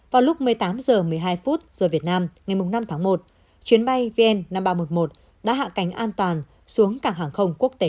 vào lúc một mươi tám h một mươi hai giờ việt nam ngày năm tháng một chuyến bay vn năm nghìn ba trăm một mươi một đã hạ cánh an toàn xuống cảng hàng không quốc tế